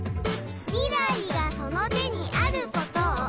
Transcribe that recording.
「未来がその手にあることを」